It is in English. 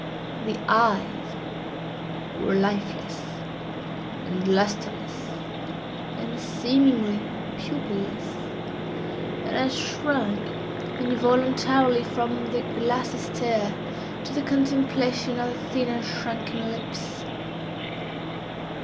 The eyes were lifeless, and lustreless, and seemingly pupilless, and I shrank involuntarily from their glassy stare to the contemplation of the thin and shrunken lips.